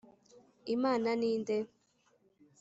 Imana ni nde?